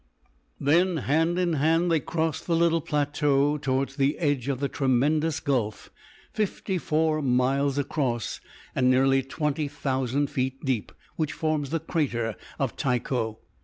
Then, hand in hand, they crossed the little plateau towards the edge of the tremendous gulf, fifty four miles across and nearly twenty thousand feet deep, which forms the crater of Tycho.